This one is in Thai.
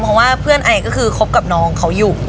เพราะว่าเพื่อนไอก็คือคบกับน้องเขาอยู่